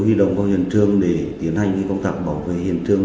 huy động vào hiện trường để tiến hành công tác bảo vệ hiện trường